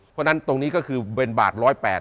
เพราะนั้นตรงนี้ก็คือเบนบาท๑๐๘